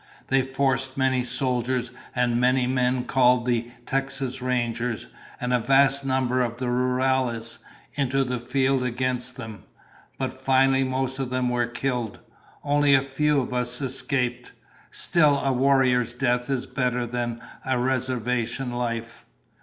"They forced many soldiers and many men called the Texas Rangers, and a vast number of the rurales, into the field against them. But finally most of them were killed. Only a few of us escaped. Still a warrior's death is better than a reservation life."